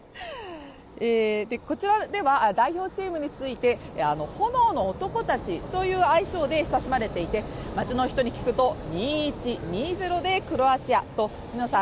こちらでは、代表チームについて「炎の男たち」という愛称で親しまれていて街の人に聞くと、２−１、２−０でクロアチアと皆さん